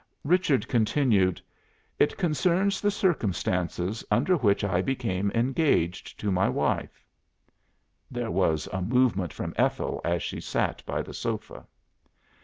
Richard continued. "It concerns the circumstances under which I became engaged to my wife." There was a movement from Ethel as she sat by the sofa.